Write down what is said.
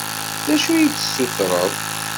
D acu i yi-d-tessutreḍ?